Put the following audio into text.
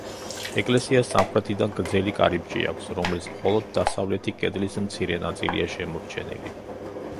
ეკლესიას სამხრეთიდან გრძელი კარიბჭე აქვს, რომლის მხოლოდ დასავლეთი კედლის მცირე ნაწილია შემორჩენილი.